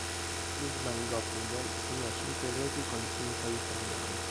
Klinsmann-Goppingen segnò cinque reti con il team californiano.